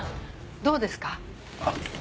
どうですか？